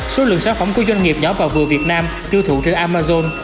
số lượng sản phẩm của doanh nghiệp nhỏ và vừa việt nam tiêu thụ trên amazon